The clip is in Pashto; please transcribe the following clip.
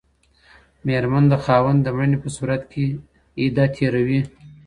ميرمن د خاوند د مړیني په صورت کي عده تيروي.